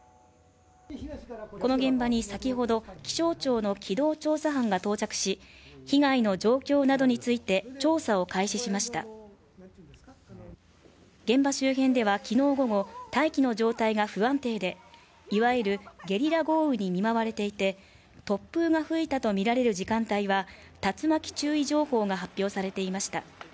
この現場に先ほど気象庁の機動調査班が到着し被害の状況などについて調査を開始しました現場周辺ではきのう午後、大気の状態が不安定で、いわゆるゲリラ豪雨に見舞われていて、突風が吹いたとみられる時間帯は、竜巻注意情報が発表されていました。